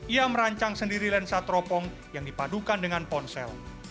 ia merancang sendiri lensa teropong yang dipadukan dengan ponsel